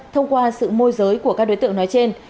thông qua sự môi giới của các đối tượng nói trên